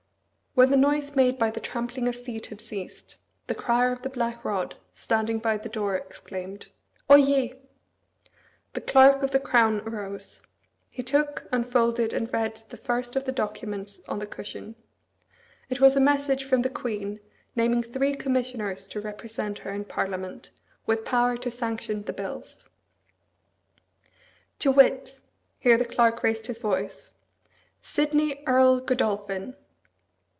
When the noise made by the trampling of feet had ceased, the Crier of the Black Rod, standing by the door, exclaimed: "Oyez!" The Clerk of the Crown arose. He took, unfolded, and read the first of the documents on the cushion. It was a message from the Queen, naming three commissioners to represent her in Parliament, with power to sanction the bills. "To wit " Here the Clerk raised his voice. "Sidney Earl Godolphin."